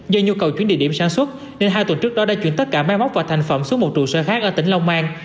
do nhu cầu chuyển địa điểm sản xuất nên hai tuần trước đó đã chuyển tất cả máy móc và thành phẩm xuống một trụ sở khác ở tỉnh long an